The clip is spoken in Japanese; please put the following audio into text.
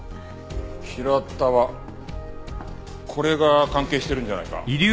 「平田」はこれが関係してるんじゃないか？